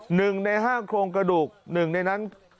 หนึ่งในห้าโครงกระดูกหนึ่งในนั้น